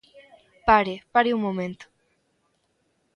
Pare, pare un momento.